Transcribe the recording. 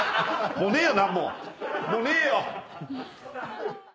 もうねえよ！